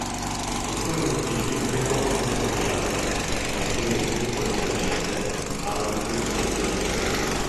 Alcuni motivi ricorrono in queste fiabe, alcuni più sporadicamente, altri più frequentemente.